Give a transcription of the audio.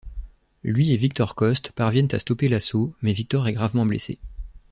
Lui et Victor Coste parviennent à stopper l'assaut, mais Victor est gravement blessé.